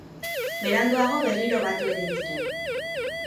Beranduago berriro batu egin ziren.